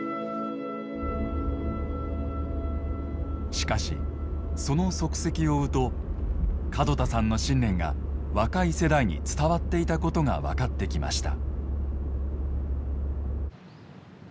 しかしその足跡を追うと門田さんの信念が若い世代に伝わっていたことが分かってきました。